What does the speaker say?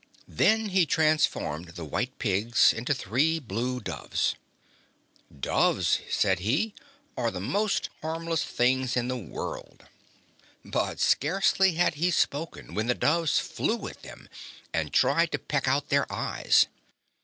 Then he transformed the white pigs into three blue doves. "Doves," said he, "are the most harmless things in the world." But scarcely had he spoken when the doves flew at them and tried to peck out their eyes.